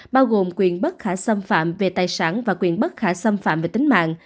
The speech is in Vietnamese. bao gồm quyền bất khả xâm phạm về tài sản và quyền bất khả xâm phạm về tính mạng